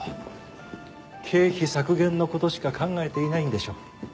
経費削減の事しか考えていないんでしょう。